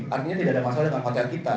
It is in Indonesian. artinya tidak ada masalah dengan hotel kita